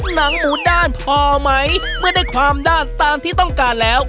หนังหมูด้านพอไหมเมื่อได้ความด้านตามที่ต้องการแล้ว